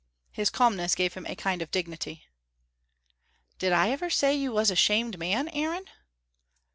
His calmness gave him a kind of dignity. "Did I ever say you was a shamed man, Aaron?"